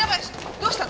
どうしたの？